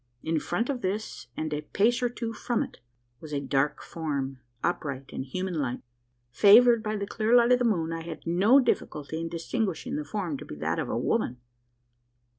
In front of this, and a pace or two from it, was a dark form, upright and human like. Favoured by the clear light of the moon, I had no difficulty in distinguishing the form to be that of a woman.